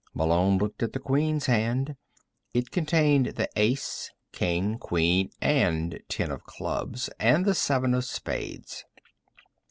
Malone looked at the Queen's hand. It contained the Ace, King, Queen and ten of clubs and the seven of spades.